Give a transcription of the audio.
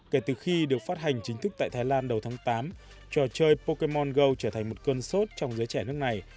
kể từ khi được phát hành chính thức tại thái lan đầu tháng tám trò chơi pokemon go trở thành một cơn sốt trong giới trẻ nước này